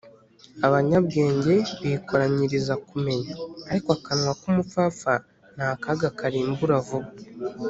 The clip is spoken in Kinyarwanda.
abanyabwenge bikoranyiriza kumenya, ariko akanwa k’umupfapfa ni akaga karimbura vuba